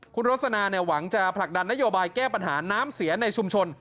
คุณโรสนาหวังจะผลักดันนโยบายแก้ปัญหาน้ำเสียในชุมชน